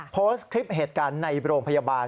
โพสต์คลิปเหตุการณ์ในโรงพยาบาล